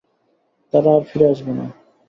তারা আর ফিরে আসবে না।